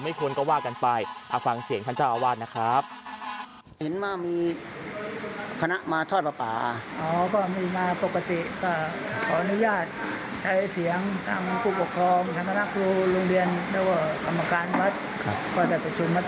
คนก็ว่ากันไปเอาฟังเสียงท่านเจ้าอาวาสนะครับ